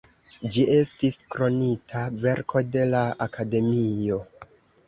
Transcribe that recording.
Ĝi estis Kronita verko de la Akademio.